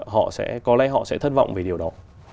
họ sẽ có lẽ họ sẽ thất vọng về điều đó